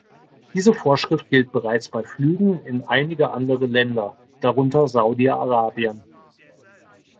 Diese Vorschrift gilt bereits bei Flügen in einige andere Länder, darunter Saudi-Arabien.